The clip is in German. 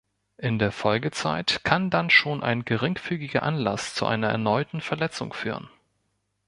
In der Folgezeit kann dann schon ein geringfügiger Anlass zu einer erneuten Verletzung führen.